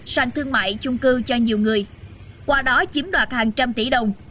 sang thương mại chung cư cho nhiều người qua đó chiếm đoạt hàng trăm tỷ đồng